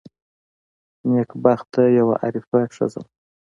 نېکبخته یوه عارفه ښځه وه.